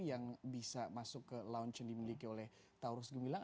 yang bisa masuk ke lounge yang dimiliki oleh taurus gemilang